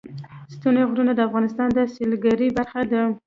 ستوني غرونه د افغانستان د سیلګرۍ برخه ده.